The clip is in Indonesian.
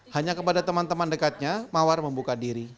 hanya kepada teman teman dekatnya mawar membuka diri